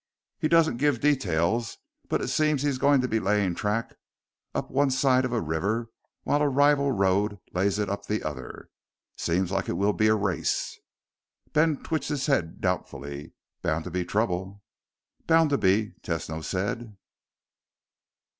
"He doesn't give details, but it seems he's going to be laying track up one side of a river while a rival road lays it up the other. Seems like it will be a race." Ben twitched his head doubtfully. "Bound to be trouble." "Bound to be," Tesno said.